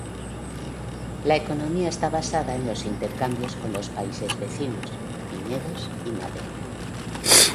La economía está basada en los intercambios con los países vecinos, viñedos y madera.